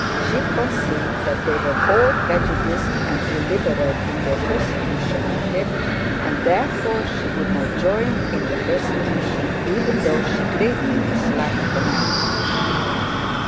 She conceived that they were all prejudiced and illiberal in their persecution of him, and therefore she would not join in the persecution, even though she greatly disliked the man.